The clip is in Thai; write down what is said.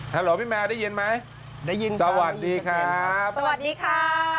ฮัลโหลพี่แมวได้ยินไหมได้ยินครับสวัสดีครับสวัสดีครับ